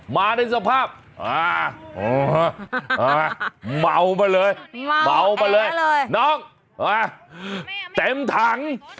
มาในสภาพอ่าอ่าอ่าเมามาเลยเมามาเลยน้องอ่าเต็มถัง